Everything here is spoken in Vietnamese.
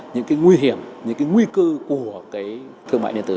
những cái nguy hiểm những cái nguy cơ của cái thương mại điện tử